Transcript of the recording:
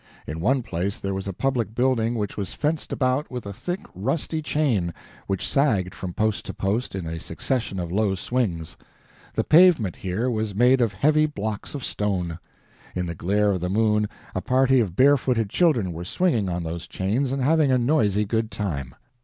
In one place there was a public building which was fenced about with a thick, rusty chain, which sagged from post to post in a succession of low swings. The pavement, here, was made of heavy blocks of stone. In the glare of the moon a party of barefooted children were swinging on those chains and having a noisy good time.